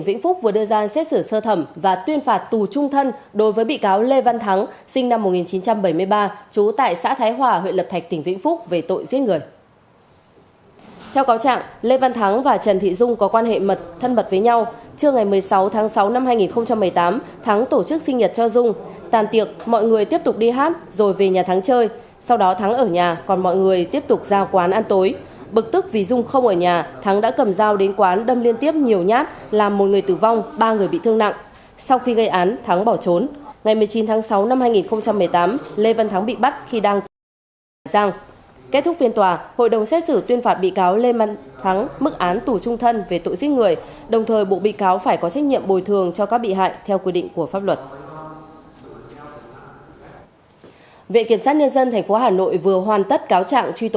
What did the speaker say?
viện kiểm sát nhân dân tp hà nội vừa hoàn tất cáo trạng truy tố bốn bị can trong vụ án gây thương tích cho giám đốc bệnh viện nội tiết trung ương hồi tháng bảy năm ngoái